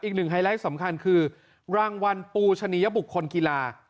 ไฮไลท์สำคัญคือรางวัลปูชะนียบุคคลกีฬา